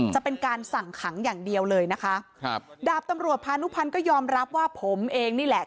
จะเป็นการสั่งขังอย่างเดียวเลยนะคะครับดาบตำรวจพานุพันธ์ก็ยอมรับว่าผมเองนี่แหละ